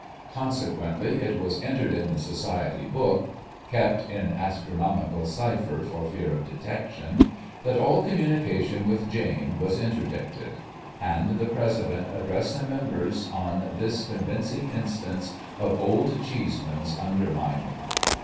Consequently it was entered in the Society's book (kept in astronomical cypher for fear of detection), that all communication with Jane was interdicted : and the President addressed the members on this convincing instance of Old Cheese man's undermining.